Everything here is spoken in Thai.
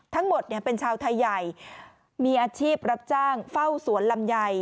ทั้งหมดเป็นชาวไทยใหญ่มีอาชีพรับจ้างเฝ้าสวนลำไย